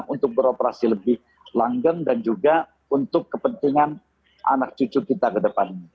untuk beroperasi lebih langgang dan juga untuk kepentingan anak cucu kita ke depannya